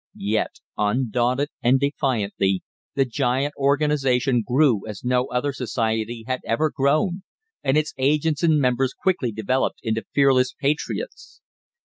Yet, undaunted and defiantly, the giant organisation grew as no other society had ever grown, and its agents and members quickly developed into fearless patriots.